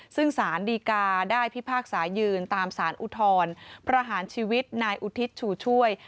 ซึ่งสารดีกาได้พิพากษายืนตามสารอุทธรประหารชีวิตนายอุทิศชูช่วย